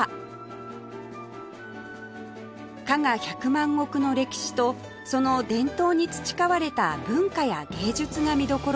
加賀百万石の歴史とその伝統に培われた文化や芸術が見どころです